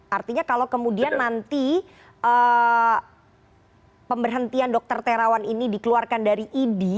artinya kalau kemudian nanti pemberhentian dr terawan ini dikeluarkan dari idi